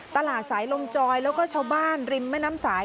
ตลาดสายลงจอยแล้วก็ชาวบ้านริมแม่น้ำสาย